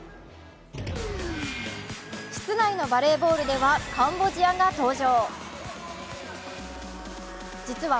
室内のバレーボールではカンボジアが登場。